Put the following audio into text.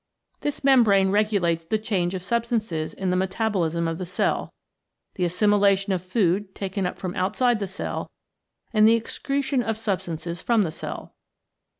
This membrane regulates the change of substances 52 THE PROTOPLASMATIC MEMBRANE in the metabolism of the cell, the assimilation of food taken up from outside the cell and the excretion of substances from the cell.